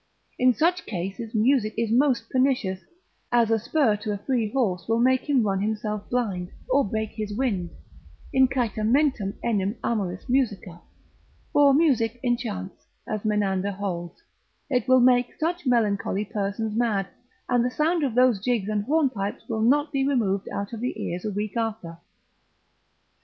In such cases music is most pernicious, as a spur to a free horse will make him run himself blind, or break his wind; Incitamentum enim amoris musica, for music enchants, as Menander holds, it will make such melancholy persons mad, and the sound of those jigs and hornpipes will not be removed out of the ears a week after.